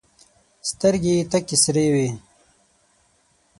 سترګي یې تکي سرې وې !